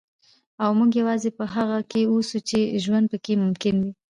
او موږ یوازې په هغه کې اوسو چې ژوند پکې ممکن دی.